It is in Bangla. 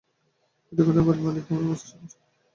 দুটি ঘটনায় বাড়ির মালিক তেমনই অবস্থার শিকার।